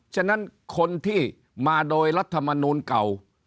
ฉะนั้นคนที่มาโดยรัฐมนูลเก่า